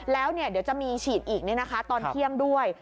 แล้วเดี๋ยวจะมีฉีดอีกตอนเที่ยงด้วย